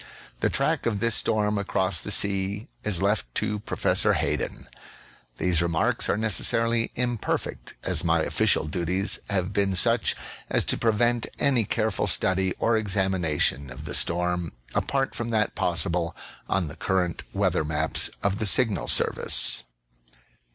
The track of this storm across the sea is left to Professor Hay den. These remarks are necessarily imperfect, as my ofiicial duties have been such as to prevent any careful study or examina tion of the storm apart from that possible on the current weather maps of the Signal Service.